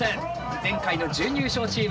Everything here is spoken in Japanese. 前回の準優勝チーム。